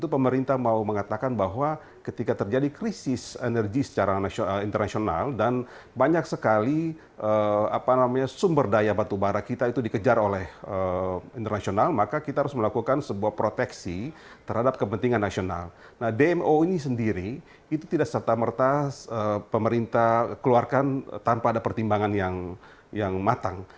pemerintah keluarkan tanpa ada pertimbangan yang matang